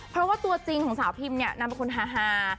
เพราะว่าตัวจริงของสาวพิมเนี่ยนางเป็นคนฮา